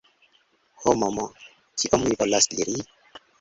Hmm. Kion mi volas diri?